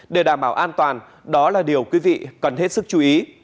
để đảm bảo an toàn đó là điều quý vị cần hết sức chú ý